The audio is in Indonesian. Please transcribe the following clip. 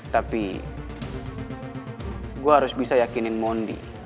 tapi gue harus bisa yakinin mondi